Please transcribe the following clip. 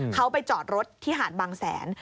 เขาไปจอดรถที่หาดบางแสน